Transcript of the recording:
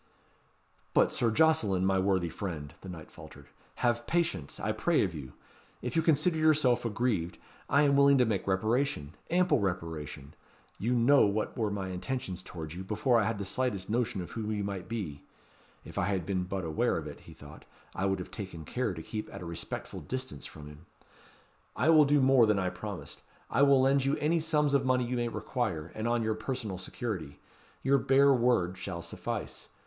"But Sir Jocelyn, my worthy friend," the knight faltered, "have patience, I pray of you. If you consider yourself aggrieved, I am willing to make reparation ample reparation. You know what were my intentions towards you, before I had the slightest notion who you might be. (If I had but been aware of it, he thought, I would have taken care to keep at a respectful distance from him.) I will do more than I promised. I will lend you any sums of money you may require; and on your personal security. Your bare word shall suffice.